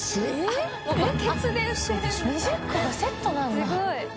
えっ２０個がセットなんだ松田）